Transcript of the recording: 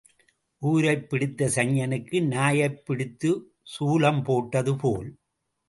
ஊரைப் பிடித்த சனியனுக்கு நாயைப் பிடித்துக் சூலம் போட்டது போல்.